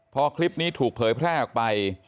พอคลิปนี้ถูกเผยแพร่ออกไป